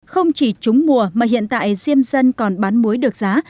không chỉ trúng mùa mà hiện tại diêm dân còn bán muối được giá